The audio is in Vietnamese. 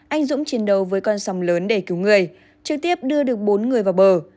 anh dũng chiến đấu với con sông lớn để cứu người trực tiếp đưa được bốn người vào bờ